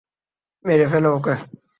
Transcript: মেরে ফেলো ওকে!